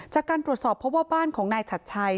จากการตรวจสอบเพราะว่าบ้านของนายชัดชัย